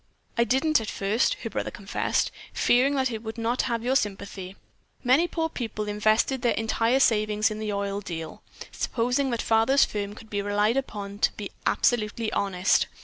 "I didn't at first," her brother confessed, "fearing that it would not have your sympathy. Many poor people invested their entire savings in the oil deal, supposing that father's firm could be relied upon to be absolutely honest.